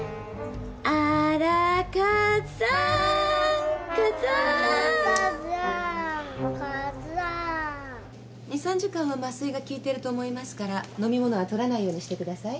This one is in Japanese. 「アラカザーン」「カザーン」「アラカザーン」「カザーン」２、３時間は麻酔が効いてると思いますから飲み物は取らないようにしてください。